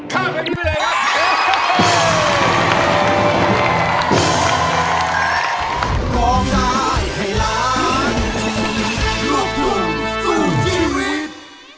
แผ่นที่๓ข้าวแบบนี้เลยครับ